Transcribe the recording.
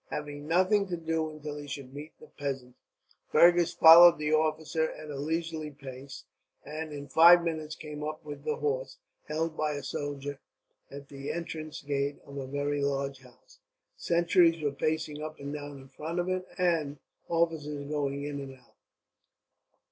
Having nothing to do until he should meet the peasant, Fergus followed the officer at a leisurely pace; and in five minutes came up with the horse, held by a soldier at the entrance gate of a very large house. Sentries were pacing up and down in front of it, and officers going in and out.